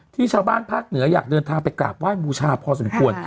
ที่ชาวบ้านภาคเหนืออยากเดินทางไปกราบไห้บูชาพอสมควร